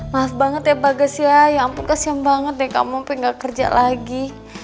maaf banget ya bagas ya ampun kasian banget kamu sampai nggak kerja lagi